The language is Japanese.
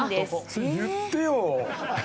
それ言ってよ！